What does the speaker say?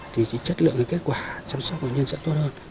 thì chất lượng kết quả chăm sóc bệnh nhân sẽ tốt hơn